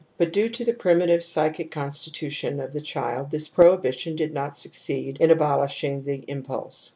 But due to the primitive psychic constitution of the child this prohibition did not succeed in abolishing the impulse.